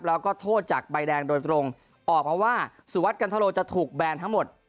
แล้วก็โทษจากใบแดงโดยตรงออกมาว่าสุวัสดิการทะโลจะถูกแบนทั้งหมด